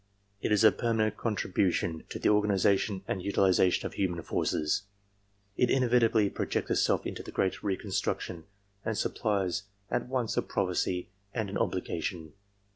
It is a permanent contribution to the organization and utilization of human forces. It inevitably projects itself into the great reconstruction, and supplies at once a prophecy and an obligation.